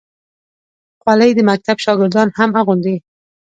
خولۍ د مکتب شاګردان هم اغوندي.